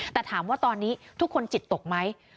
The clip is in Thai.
แต่ถามว่าตอนนี้ทุกคนจิตตกไหม